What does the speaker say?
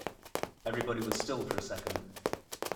Everybody was still for a second.